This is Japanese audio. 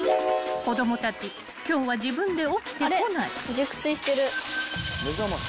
［子供たち今日は自分で起きてこない］